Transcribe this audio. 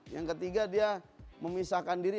yang ketiga dia memisahkan diri